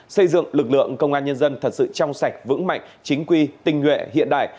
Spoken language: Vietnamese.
xây dựng lực lượng công an nhân dân thật sự trong sạch vững mạnh chính quy tinh nguyện hiện đại